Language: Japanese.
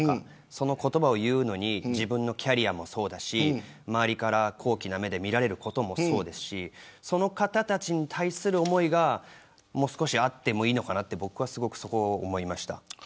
その言葉を言うのに自分のキャリアもそうだし周りから好奇の目で見られることもそうですしその方たちに対する思いがもう少しあってもいいのかなと僕はすごくそこは思いました。